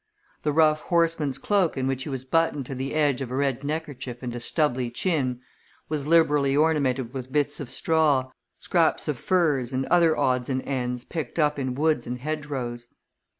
The rough horseman's cloak in which he was buttoned to the edge of a red neckerchief and a stubbly chin was liberally ornamented with bits of straw, scraps of furze and other odds and ends picked up in woods and hedge rows.